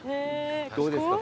どうですか？